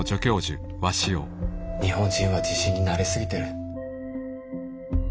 日本人は地震に慣れ過ぎてる。